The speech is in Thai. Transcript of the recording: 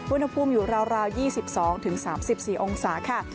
อุณหภูมิอยู่ราว๒๒๓๔องศาค่ะ